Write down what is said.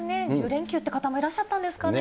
１０連休という方もいらっしゃったんですかね。